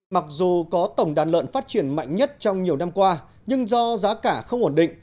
mặc dù có tổng đàn lợn phát triển mạnh nhất trong nhiều năm qua nhưng do giá cả không ổn định